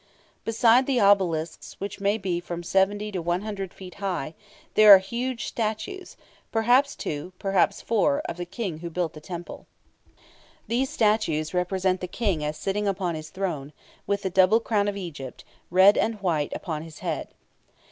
Beside the obelisks, which may be from 70 to 100 feet high, there are huge statues, perhaps two, perhaps four, of the King who built the temple. These statues represent the King as sitting upon his throne, with the double crown of Egypt, red and white, upon his head.